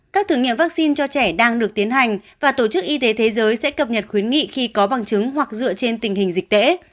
các thử nghiệm vaccine cho trẻ đang được tiến hành và tổ chức y tế thế giới sẽ cập nhật khuyến nghị khi có bằng chứng hoặc dựa trên tình hình dịch tễ